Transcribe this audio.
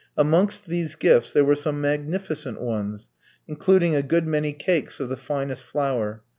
Amongst these gifts there were some magnificent ones, including a good many cakes of the finest flour.